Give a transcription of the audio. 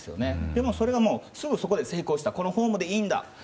でも、それがすぐそこで成功したこのフォームでいいんだと。